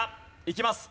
いきます。